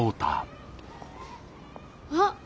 あっ！